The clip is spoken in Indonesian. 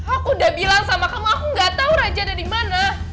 aku udah bilang sama kamu aku gak tau raja ada di mana